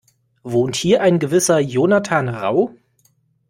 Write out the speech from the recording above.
Wohnt hier ein gewisser Jonathan Rau?